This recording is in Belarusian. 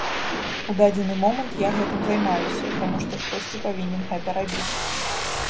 У дадзены момант я гэтым займаюся, таму што хтосьці павінен гэта рабіць.